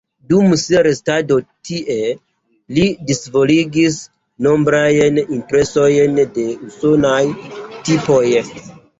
Dum sia restado tie, li disvolvigis nombrajn impresojn de usonaj tipoj.